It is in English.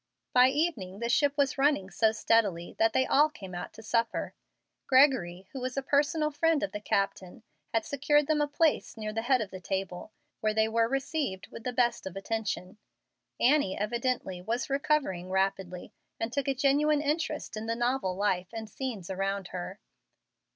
By evening the ship was running so steadily that they all came out to supper. Gregory, who was a personal friend of the captain, had secured them a place near the head of the table, where they received the best of attention. Annie, evidently, was recovering rapidly, and took a genuine interest in the novel life and scenes around her.